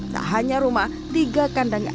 tak hanya rumah tiga kandang asap